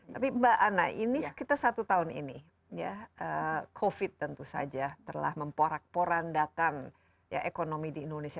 tapi mbak anna ini kita satu tahun ini covid tentu saja telah memporak porandakan ekonomi di indonesia